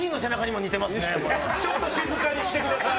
ちょっと静かにしてください。